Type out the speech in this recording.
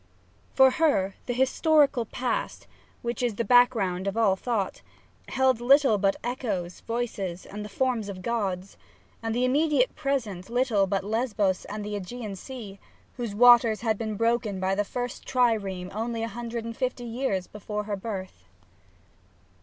For her the Historical Past, which is the background of all thought, held little . but echoes, voices, and the forms of gods, and the immediate present little but Lesbos and the ^gean Sea, whose waters had been broken by the first trireme only a hundred and fifty years before her birth.